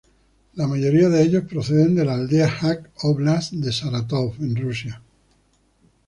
La mayoría de ellos procedentes de la aldea Huck, óblast de Sarátov en Rusia.